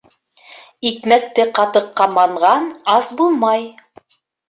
Икмәкте ҡатыҡҡа манған ас булмай.